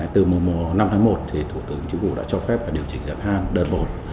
từ mùa năm tháng một thủ tướng chính phủ đã cho phép điều chỉnh giá than đơn bột